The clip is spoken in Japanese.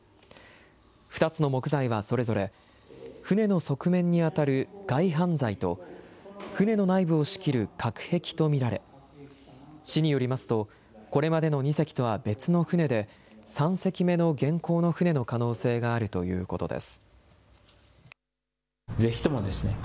２つの木材はそれぞれ船の側面に当たる外板材と、船の内部を仕切る隔壁と見られ、市によりますと、これまでの２隻とは別の船で、３隻目の元寇の船の可能性があるということです。